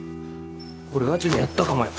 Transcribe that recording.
俺ガチでやったかもよ？